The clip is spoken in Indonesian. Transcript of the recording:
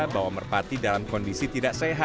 bahwa merpati dalam kondisi merpati tidak bisa dihidupkan